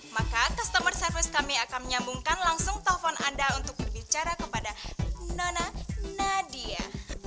maka customer service kami akan menyambungkan langsung telpon anda untuk berbicara kepada nana nadia